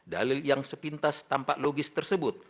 dalil yang sepintas tampak logis tersebut